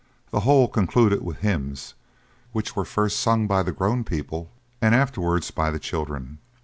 The whole concluded with hymns, which were first sung by the grown people, and afterwards by the children.